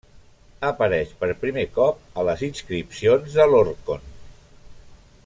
Apareix per primer cop a les inscripcions de l'Orkhon.